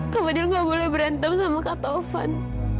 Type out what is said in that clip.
kak fadil nggak boleh berantem sama kata taufan